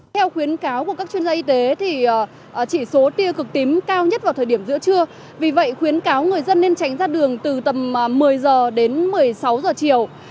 theo khuyến cáo của các chuyên gia y tế chỉ số tia cực tím cao nhất vào thời điểm giữa trưa vì vậy khuyến cáo người dân nên tránh ra đường từ tầm một mươi h đến một mươi sáu giờ chiều